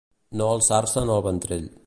No alçar-se'n el ventrell.